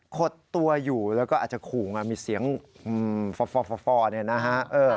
ขดตัวอยู่แล้วก็อาจจะขู่ไงมีเสียงฟ่อเนี่ยนะฮะ